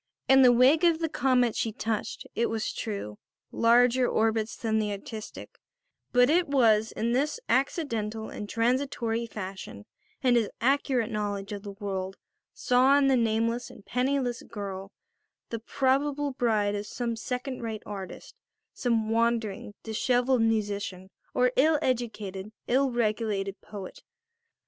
In the wake of the comet she touched, it was true, larger orbits than the artistic; but it was in this accidental and transitory fashion, and his accurate knowledge of the world saw in the nameless and penniless girl the probable bride of some second rate artist, some wandering, dishevelled musician, or ill educated, ill regulated poet.